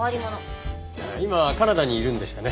今はカナダにいるんでしたね。